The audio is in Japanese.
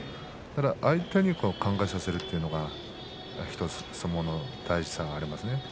ただ、相手に考えさせるというのが１つ相撲の大事さがありますね。